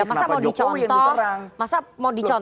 kenapa jokowi yang diserang